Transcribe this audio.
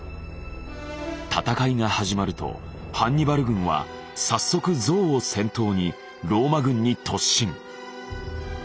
戦いが始まるとハンニバル軍は早速ゾウを先頭にローマ軍に突進。